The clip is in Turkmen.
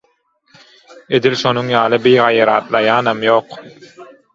Edil şonuň ýaly bigaýratlaýanam ýok.